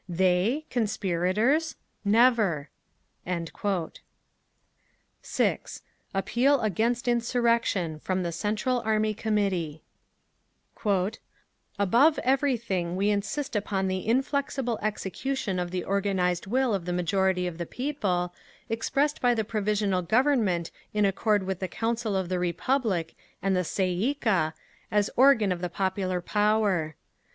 "They—conspirators? Never…." 6. APPEAL AGAINST INSURRECTION From the Central Army Committee "… Above everything we insist upon the inflexible execution of the organised will of the majority of the people, expressed by the Provisional Government in accord with the Council of the Republic and the Tsay ee kah, as organ of the popular power….